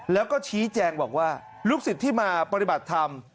แล้วก็ชี้แจงบอกว่าลูกศิษย์ที่มาปฏิบัติธรรม